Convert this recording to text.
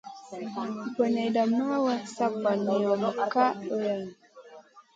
Boneyda ma wa, sa banion ka iyranou.